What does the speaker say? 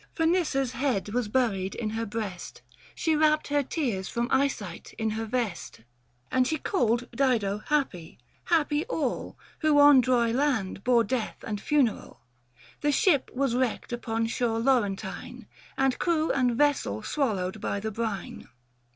Phcenissa's head was buried in her breast, She wrapped her tears from eyesight in her vest, 640 And she called Dido happy — happy all, Who on dry land bore death and funeral. The ship was wrecked upon shore Laurentine And crew and vessel swallowed by the brine.